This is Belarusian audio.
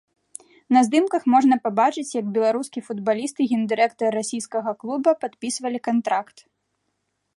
На здымках можна пабачыць, як беларускі футбаліст і гендырэктар расійскага клуба падпісвалі кантракт.